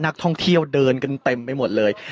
นักท่องเที่ยวเดินกันเต็มไปหมดเลย